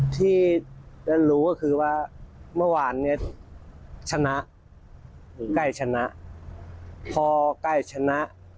ที่รู้ก็คือว่ามระหว่านฉะนั้นก็เกร็ดชนะ